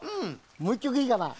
もう１きょくいいかな？